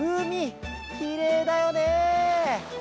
きれいだよね！